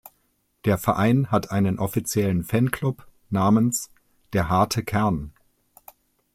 Der Verein hat einen offiziellen Fanclub namens "Der harte Kern".